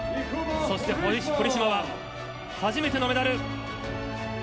そして、堀島は初めてのメダル。